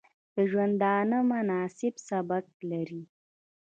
د ژوندانه مناسب سبک لري